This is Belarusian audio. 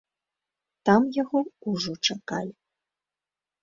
Там яго ўжо чакалі.